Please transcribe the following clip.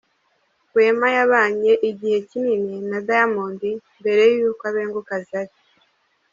Wema yabanye igihe kinini na Diamond mbere y’uko abenguka Zari.